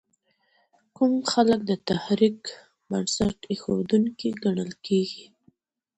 کوم خلک د دې تحریک بنسټ ایښودونکي ګڼل کېږي؟